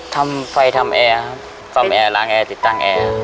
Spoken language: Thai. ทำไฟทำแอร์ครับซ่อมแอร์ล้างแอร์ติดตั้งแอร์